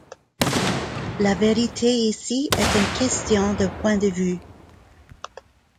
La vérité ici est une question de point de vue.